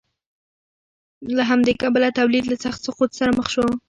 له همدې کبله تولید له سخت سقوط سره مخ شو.